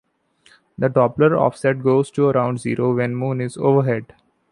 The Doppler Offset goes to around Zero when the Moon is overhead.